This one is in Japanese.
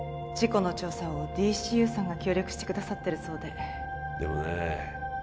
事故の調査をＤＣＵさんが協力してくださってるそうででもねえ